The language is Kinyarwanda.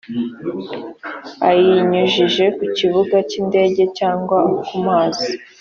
ayinyujije ku kibuga cy indege cyangwa ku mazi